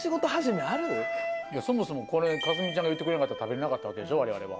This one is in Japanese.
そもそもこれ架純ちゃんが言ってくれなかったら食べれなかったわけでしょわれわれは。